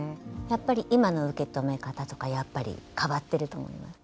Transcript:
やっぱり今の受け止め方とかやっぱり変わってると思います。